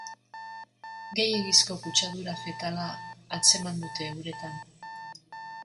Gehiegizko kutsadura fekala atzeman dute uretan.